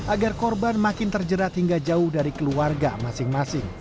agar korban makin terjerat hingga jauh dari keluarga masing masing